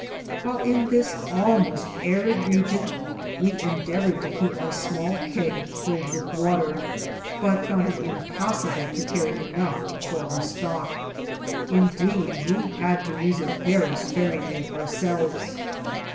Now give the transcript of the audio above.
While in this almost arid region we endeavored to keep our small keg filled with water, but found it impossible to carry enough for our stock. Indeed we had to use it very sparingly ourselves.